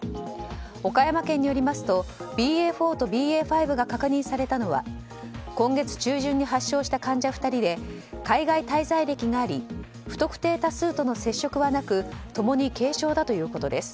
岡山県によりますとＢＡ．４とＢＡ．５が確認されたのは今月中旬に発症した患者２人で、海外滞在歴があり不特定多数との接触はなく共に軽症だということです。